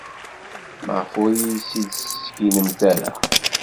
Maɣef ur iyi-tt-id-tesskinemt ara?